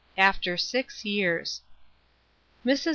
AFTER SIX YEARS. MRS.